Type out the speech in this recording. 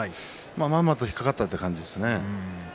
まんまと引っ掛かったという感じですね。